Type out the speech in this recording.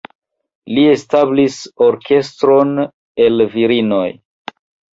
Li establis orkestron el virinoj.